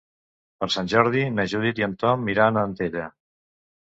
Per Sant Jordi na Judit i en Tom iran a Antella.